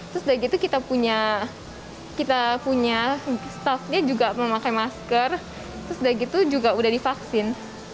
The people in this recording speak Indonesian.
terus dari gitu kita punya staffnya juga memakai masker terus dari gitu juga sudah divaksin